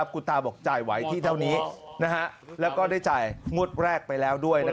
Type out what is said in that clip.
คุณตาบอกจ่ายไว้ที่เท่านี้แล้วก็ได้จ่ายงวดแรกไปแล้วด้วย